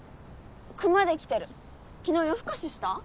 クマできてる昨日夜更かしした？